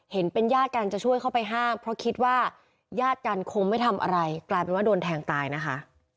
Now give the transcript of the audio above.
เห็นเป็นญาติกันจะช่วยเข้าไปห้ามเพราะคิดว่าญาติกันคงไม่ทำอะไรกลายเป็นว่าโดนแทงตายนะคะ